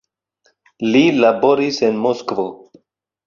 Li laboris en Moskvo.